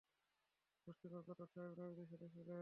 মুষ্টিমের কতক সাহাবী নবীজীর সাথে ছিলেন।